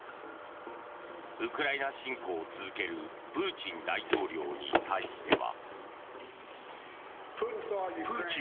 ウクライナ侵攻を続けるプーチン大統領に対しては。